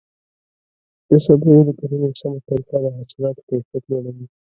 د سبزیو د کرنې سمه طریقه د حاصلاتو کیفیت لوړوي.